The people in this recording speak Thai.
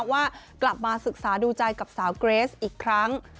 ว่ากลับมาศึกษาดูใจกับสาวเกรสอีกครั้ง